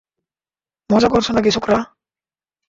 মজা করছো নাকি, ছোকরা?